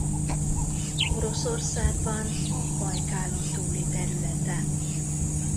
Oroszországban a Bajkálon-túli területen.